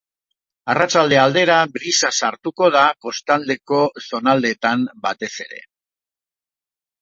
Arratsalde aldera, brisa sartuko, kostaldeko zonaldeetan batez ere.